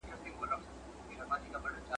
موږ په راتلونکي کې د یوې سوکاله ټولنې هیله لرو.